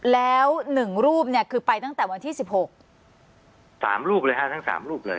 แล้วหนึ่งรูปเนี่ยคือไปตั้งแต่วันที่๑๖๓รูปเลยฮะทั้ง๓รูปเลย